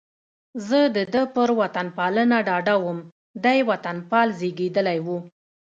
زه د ده پر وطنپالنه ډاډه وم، دی وطنپال زېږېدلی و.